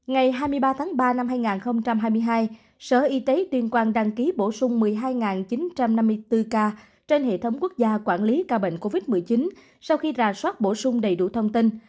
ngày hai mươi ba tháng ba năm hai nghìn hai mươi hai sở y tế tuyên quang đăng ký bổ sung một mươi hai chín trăm năm mươi bốn ca trên hệ thống quốc gia quản lý ca bệnh covid một mươi chín sau khi rà soát bổ sung đầy đủ thông tin